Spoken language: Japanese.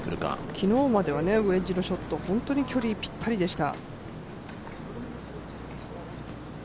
昨日まではウェッジのショット、本当に距離ぴったりでした。